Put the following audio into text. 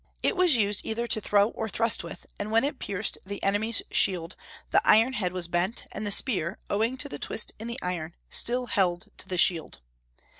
It was used either to throw or thrust with, and when it pierced the enemy's shield the iron head was bent, and the spear, owing to the twist in the iron, still held to the shield.